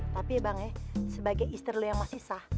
tapi bang sebagai istri lo yang masih sah